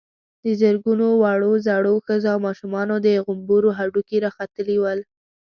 د زرګونو وړو_ زړو، ښځو او ماشومانو د غومبرو هډوکي را ختلي ول.